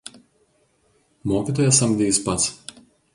Mokytoją samdė jis pats.